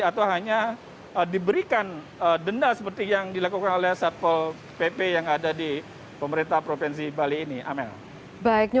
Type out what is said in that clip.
atau hanya diberikan denda seperti yang dilakukan oleh satpol pp yang ada di pemerintah provinsi bali ini amel